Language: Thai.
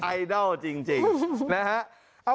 ไอดอลจริงนะฮะ